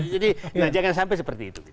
jadi jangan sampai seperti itu